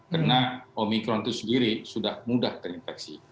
karena omikron itu sendiri sudah mudah terinfeksi